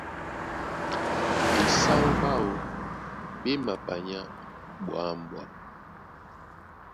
Ɓesáó ɓáō ɓé mapanyá ɓwǎm̀ɓwam.